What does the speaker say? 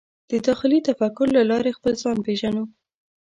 د داخلي تفکر له لارې خپل ځان پېژنو.